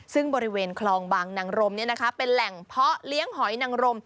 ซึ่งบริเวณคลองบางนางรมเป็นแหล่งเพาะเลี้ยงหอยนังรม